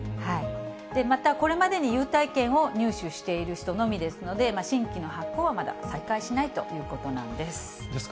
またこれまでに優待券を入手している人のみですので、新規の発行はまだ再開しないということなんですね。